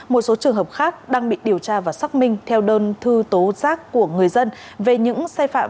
một số trường hợp khác đang bị điều tra và xác minh theo đơn thư tố giác của người dân về những sai phạm